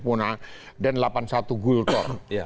punya den delapan puluh satu gultor